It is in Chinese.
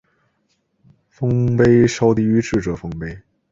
丰碑稍低于智者丰碑。